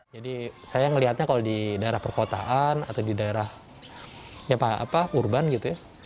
jadi saya melihatnya kalau di daerah perkotaan atau di daerah urban gitu ya